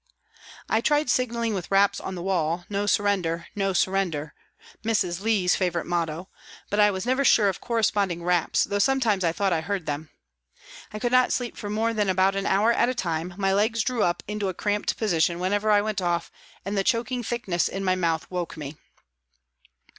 I tried signalling with raps on the wall, " No surrender no surrender," Mrs. Leigh's favourite motto, but I was never sure of corresponding raps, though sometimes I thought I heard them. I could not sleep for more than about an hour at a time, my legs drew up into a cramped position whenever I went off and the choking thickness in my mouth woke me.